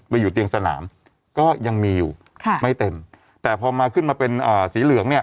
อยู่เตียงสนามก็ยังมีอยู่ค่ะไม่เต็มแต่พอมาขึ้นมาเป็นอ่าสีเหลืองเนี่ย